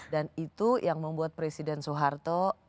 dan itu yang membuat presiden soeharto